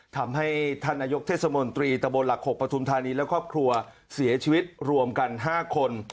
ทำให้ท่านนายกเทศมนตรีตะบนหลัก๖ปฐุมธานีและครอบครัวเสียชีวิตรวมกัน๕คน